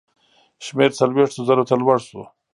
شمېر څلوېښتو زرو ته لوړ شو.